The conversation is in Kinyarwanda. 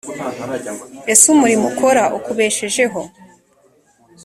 ese umurimo ukora ukubeshejeho.